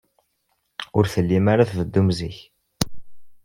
Ur tellim ara tbeddum zik.